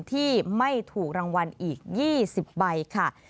ที่ไม่ถูกรางวัลอีก๒๐ใบค่ะ